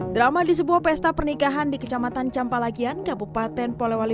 drama di sebuah pesta pernikahan di kecamatan campalagian kabupaten polewali